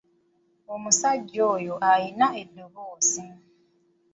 Omusajja oyo alina eddoboozi.